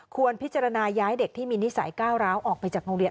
ควรพิจารณาย้ายเด็กที่มีนิสัยก้าวร้าวออกไปจากโรงเรียน